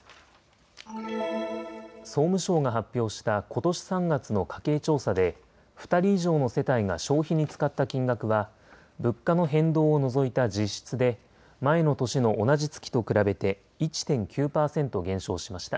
総務省が発表したことし３月の家計調査で２人以上の世帯が消費に使った金額は物価の変動を除いた実質で前の年の同じ月と比べて１．９％減少しました。